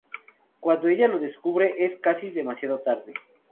Cuando ella lo descubre, es casi demasiado tarde.